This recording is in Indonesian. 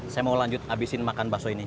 saya mau lanjut abisin makan bakso ini